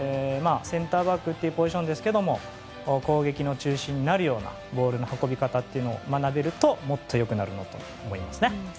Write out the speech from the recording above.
センターバックというポジションですけれども攻撃の中心になるようなボールの運び方というものを学べるともっと良くなるなと思います。